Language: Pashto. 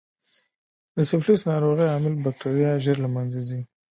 د سفلیس ناروغۍ عامل بکټریا ژر له منځه ځي.